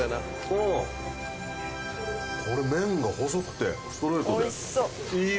あぁこれ麺が細くてストレートで。